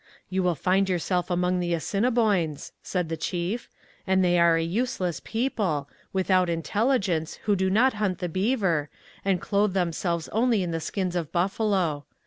'You will find yourself among the Assiniboines,' said the chief; 'and they are a useless people, without intelligence, who do not hunt the beaver, and clothe themselves only in the skins of buffalo.